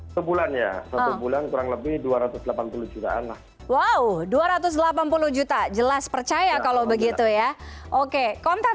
sebulan ya satu bulan kurang lebih dua ratus delapan puluh jutaan lah wow dua ratus delapan puluh juta jelas percaya kalau begitu ya oke konten